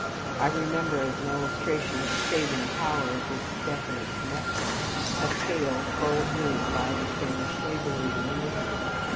I remember as an illustration of the saving power of this definite connection, a tale told me by a distinguished labor leader in England.